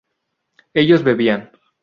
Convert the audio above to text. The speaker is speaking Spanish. ellos bebían